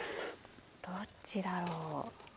どっちだろう？